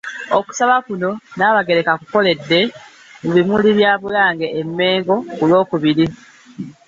Okusaba kuno Nnaabagereka akukoledde mu bimuli bya Bulange e Mmengo ku lw'okubiri.